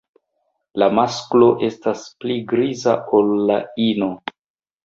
La masklo estas pli griza ol la ino.